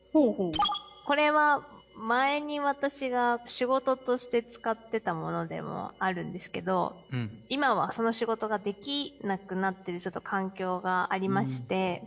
これは前に私が仕事として使ってたものでもあるんですけど今はその仕事ができなくなってる環境がありまして。